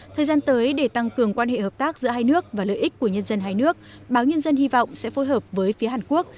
thời gian tới để tăng cường quan hệ hợp tác giữa hai nước và lợi ích của nhân dân hai nước báo nhân dân hy vọng sẽ phối hợp với phía hàn quốc